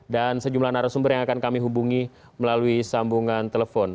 sejumlah narasumber yang akan kami hubungi melalui sambungan telepon